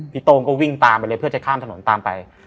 โต้งก็วิ่งตามไปเลยเพื่อจะข้ามถนนตามไป